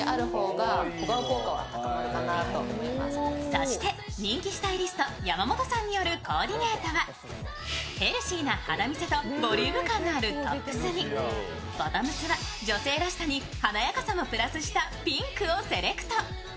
そして人気スタイリスト・山本さんによるコーディネートはヘルシーな肌見せとボリューム感あるトップスにボトムスは女性らしさに華やかさもプラスしたピンクをセレクト。